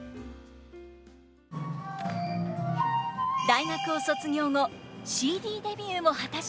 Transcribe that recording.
大学を卒業後ＣＤデビューも果たした道山さん。